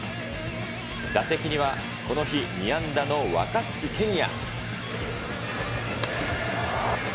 打席にはこの日、２安打の若月健矢。